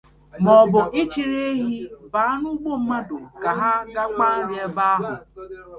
maọbụ ịchịrị ehi bàá n'ugbo mmadụ ka ha ga kpaa nri ebe ahụ